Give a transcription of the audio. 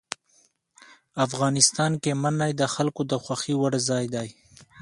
افغانستان کې منی د خلکو د خوښې وړ ځای دی.